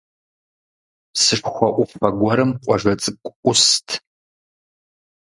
Псышхуэ Ӏуфэ гуэрым къуажэ цӀыкӀу Ӏуст.